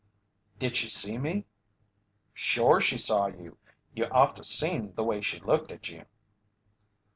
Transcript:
"Did she see me?" "Shore she saw you. You'd oughta seen the way she looked at you."